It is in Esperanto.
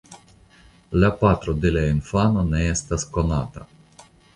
La patro de la infano ne estas konata.